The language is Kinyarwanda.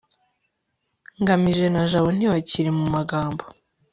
ngamije na jabo ntibakiri mu magambo